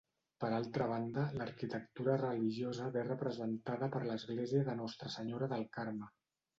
Per altra banda, l'arquitectura religiosa ve representada per l'església de Nostra Senyora del Carme.